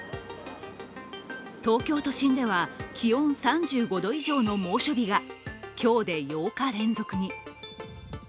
東京都心では気温３５度以上の猛暑日が今日で８日連続に。